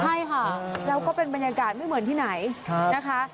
ใช่ค่ะแล้วก็เป็นบรรยากาศไม่เหมือนที่ไหนนะคะ